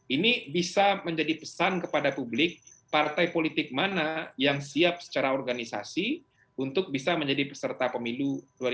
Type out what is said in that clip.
ini bisa menjadi pesan kepada publik partai politik mana yang siap secara organisasi untuk bisa menjadi peserta pemilu dua ribu dua puluh